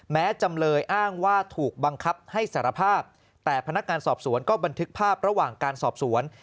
จำเลยอ้างว่าถูกบังคับให้สารภาพแต่พนักงานสอบสวนก็บันทึกภาพระหว่างการสอบสวน